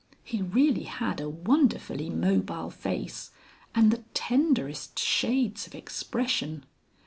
He really had a wonderfully mobile face, and the tenderest shades of expression!